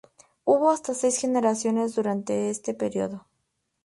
Hubo hasta seis generaciones durante este período.